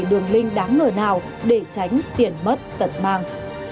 đường link đáng ngờ nào để tránh tiền mất tật mang